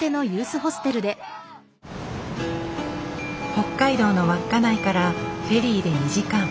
北海道の稚内からフェリーで２時間。